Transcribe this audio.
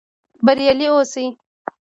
بریالي اوسئ؟